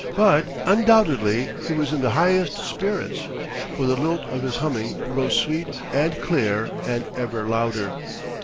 But undoubtedly he was in the highest spirits; for the lilt of his humming rose sweet and clear and ever louder.